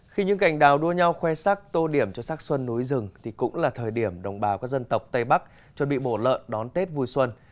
khi những gành đào đua nhau khoe sắc tô điểm cho sắc xuân núi rừng thì cũng là thời điểm đồng bào các dân tộc tây bắc chuẩn bị mổ lợn đón tết vui xuân